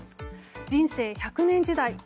人生１００年時代